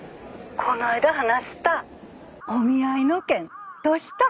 この間話したお見合いの件どした？